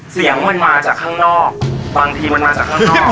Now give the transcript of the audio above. เสียงมันมาจากข้างนอกบางทีมันมาจากข้างนอก